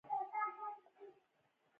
مستو له غوسې د سترګو په کونجو کې ور وکتل.